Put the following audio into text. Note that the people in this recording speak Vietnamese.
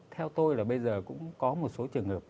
theo tôi là bây giờ cũng có một số trường hợp